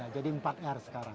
jadi empat r sekarang